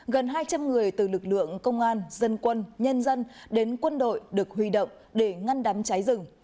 gần hai trăm linh người từ lực lượng công an dân quân nhân dân đến quân đội được huy động để ngăn đám cháy rừng